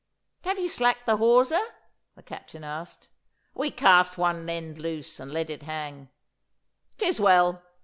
'Have ye slacked the hawser?' the Captain asked. 'We cast one end loose and let it hang.' ''Tis well.